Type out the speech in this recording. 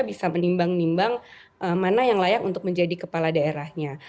bisa menimbang nimbang mana yang layak untuk menjadi kepala daerahnya